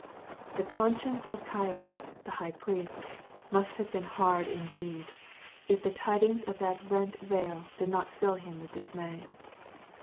The conscience of Caiaphas, the high priest, must have been hard indeed, if the tidings of that rent veil did not fill him with dismay.